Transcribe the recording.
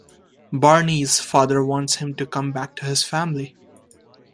Barney's father wants him to come back to his family.